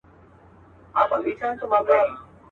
د هر چا چي وي په لاس کي تېره توره.